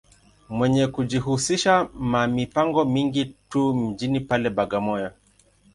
Mwenye kujihusisha ma mipango mingi tu mjini pale, Bagamoyo.